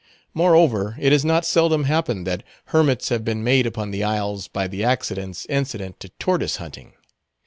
Moreover, it has not seldom happened that hermits have been made upon the isles by the accidents incident to tortoise hunting.